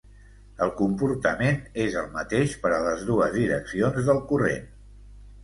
El comportament és el mateix per a les dues direccions del corrent.